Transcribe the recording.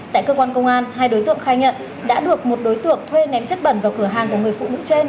tại cơ quan công an hai đối tượng khai nhận đã được một đối tượng thuê ném chất bẩn vào cửa hàng của người phụ nữ trên